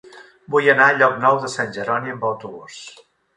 Vull anar a Llocnou de Sant Jeroni amb autobús.